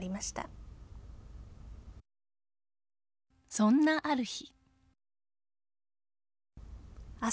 そんなある日。